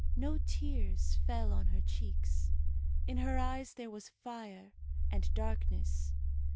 No tears fell on her cheeks. In her eyes there was fire, and darkness.